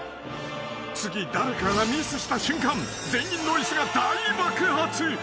［次誰かがミスした瞬間全員の椅子が大爆発］